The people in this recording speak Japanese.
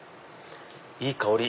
いい香り！